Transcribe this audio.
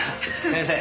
先生。